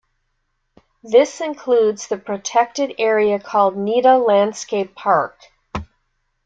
This includes the protected area called Nida Landscape Park.